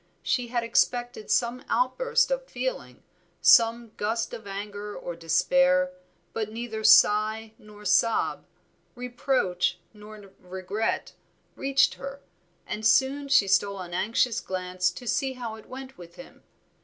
She had expected some outburst of feeling, some gust of anger or despair, but neither sigh nor sob, reproach nor regret reached her, and soon she stole an anxious glance to see how it went with him.